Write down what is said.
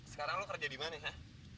sekarang lu kerja dimana ya